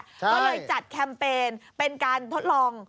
ก็เลยจัดแคมเปญเป็นการทดลอง